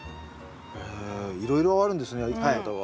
へえいろいろあるんですねやり方が。